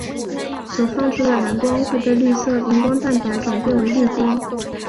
所放出的蓝光会被绿色荧光蛋白转变为绿光。